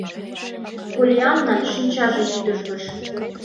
— Поллианнан шинчаже вӱдыжгыш.